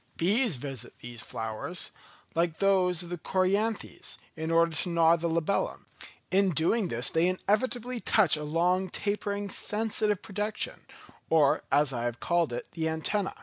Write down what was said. Bees visit these flowers, like those of the Coryanthes, in order to gnaw the labellum; in doing this they inevitably touch a long, tapering, sensitive projection, or, as I have called it, the antenna.